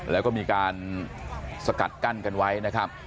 แล้วก็มีการสกัดกั้นกันไว้นะครับ